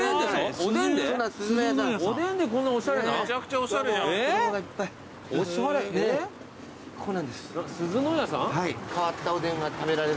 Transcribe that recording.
おしゃれな。